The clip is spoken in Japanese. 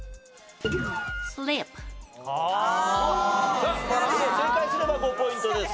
さあ正解すれば５ポイントです。